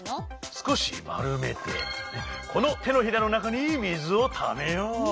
すこしまるめてこのてのひらのなかにみずをためよう。